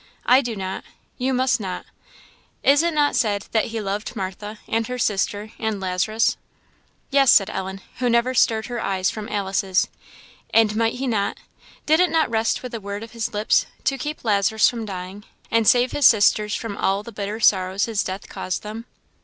I do not you must not. Is it not said that 'he loved Martha, and her sister, and Lazarus?' " "Yes," said Ellen, who never stirred her eyes from Alice's. "And might he not did it not rest with a word of his lips, to keep Lazarus from dying, and save his sisters from all the bitter sorrow his death caused them?"